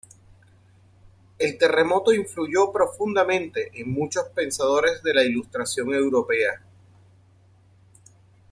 El terremoto influyó profundamente en muchos pensadores de la Ilustración europea.